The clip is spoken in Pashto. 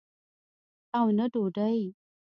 او نه ډوډۍ.